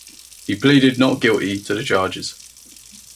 He pleaded not guilty to the charges.